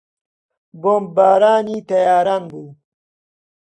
بۆمبارانی تەیاران بوو.